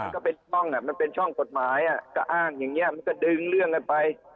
มันก็เป็นช่องกฎหมายอ่ะก็อ้างอย่างนี้มันก็ดึงเรื่องกันไป